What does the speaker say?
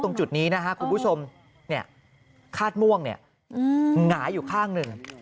จุดนี้นะครับคุณผู้ชมคาดม่วงเนี่ยหงายอยู่ข้างหนึ่ง